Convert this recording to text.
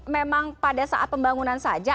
memang pada saat pembangunan saja